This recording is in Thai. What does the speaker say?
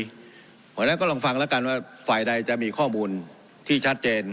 เพราะฉะนั้นก็ลองฟังแล้วกันว่าฝ่ายใดจะมีข้อมูลที่ชัดเจน